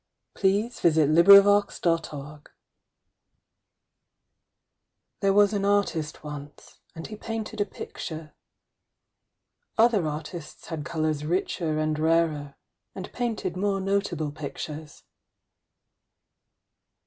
THE ARTISTŌĆÖS SECRET. There was an artist once, and he painted a picture. Other artists had colours richer and rarer, and painted more notable pictures.